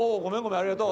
ありがとう。